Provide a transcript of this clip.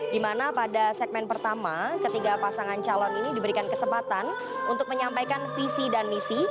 di mana pada segmen pertama ketiga pasangan calon ini diberikan kesempatan untuk menyampaikan visi dan misi